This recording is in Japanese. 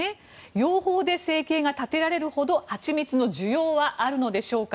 養蜂で生計が立てられるほどハチミツの需要はあるのでしょうか。